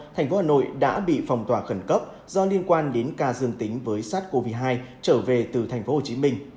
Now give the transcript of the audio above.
thành phố hà nội đã bị phòng tỏa khẩn cấp do liên quan đến ca dương tính với sars cov hai trở về từ thành phố hồ chí minh